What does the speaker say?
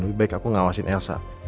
lebih baik aku ngawasin elsa